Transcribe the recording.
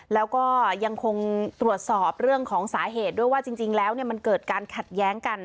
แล้วก็ยังคงตรวจสอบเรื่องของสาเหตุด้วยว่าจริงแล้วมันเกิดการขัดแย้งกัน